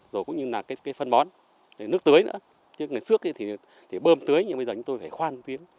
rồi cũng như là cái phân bón nước tưới nữa chứ người xước thì bơm tưới nhưng bây giờ chúng tôi phải khoan tiếng